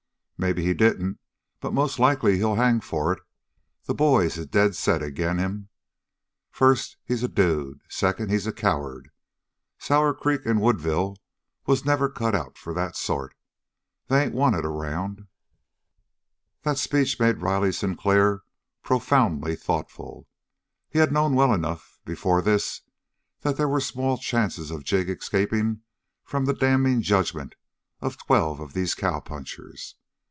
"Maybe he didn't, but most like he'll hang for it. The boys is dead set agin' him. First, he's a dude; second, he's a coward. Sour Creek and Woodville wasn't never cut out for that sort. They ain't wanted around." That speech made Riley Sinclair profoundly thoughtful. He had known well enough before this that there were small chances of Jig escaping from the damning judgment of twelve of these cowpunchers.